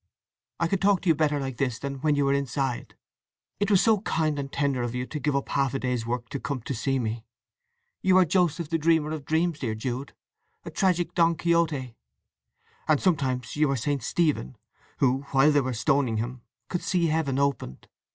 I can talk to you better like this than when you were inside… It was so kind and tender of you to give up half a day's work to come to see me! … You are Joseph the dreamer of dreams, dear Jude. And a tragic Don Quixote. And sometimes you are St. Stephen, who, while they were stoning him, could see Heaven opened.